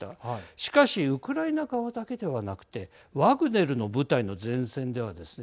しかしウクライナ側だけではなくてワグネルの部隊の前線ではですね